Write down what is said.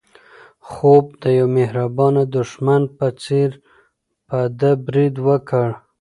خوب د یو مهربانه دښمن په څېر په ده برید وکړ.